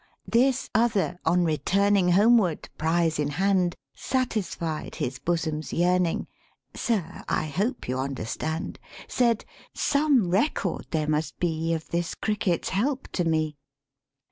This other, on returning Homeward, prize in hand, Satisfied his bosom's yearning: (Sir, I hope you understand!) Said 'Some record there must be Of this cricket's help to me!'